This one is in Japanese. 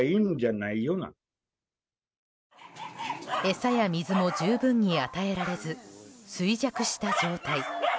餌や水も十分に与えられず衰弱した状態。